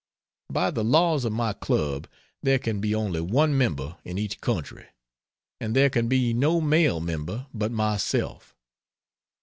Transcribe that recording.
By the laws of my Club there can be only one Member in each country, and there can be no male Member but myself.